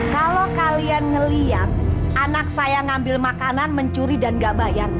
kalau kalian melihat anak saya ngambil makanan mencuri dan gak bayar